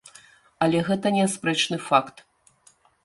Але гэта неаспрэчны факт.